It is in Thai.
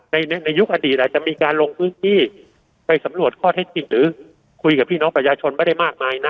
ในในยุคอดีตอาจจะมีการลงพื้นที่ไปสำรวจข้อเท็จจริงหรือคุยกับพี่น้องประชาชนไม่ได้มากมายนะ